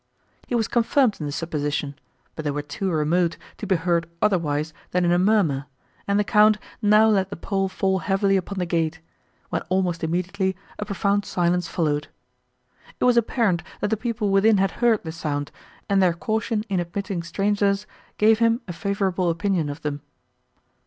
He was confirmed in the supposition, but they were too remote, to be heard otherwise than in a murmur, and the Count now let the pole fall heavily upon the gate; when almost immediately a profound silence followed. It was apparent, that the people within had heard the sound, and their caution in admitting strangers gave him a favourable opinion of them.